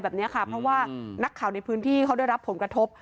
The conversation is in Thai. แบบนี้ค่ะเพราะว่านักข่าวในพื้นที่เขาได้รับผลกระทบ